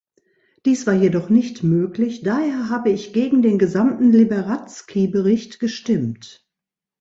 Dies war jedoch nicht möglich, daher habe ich gegen den gesamten Liberadzki-Bericht gestimmt.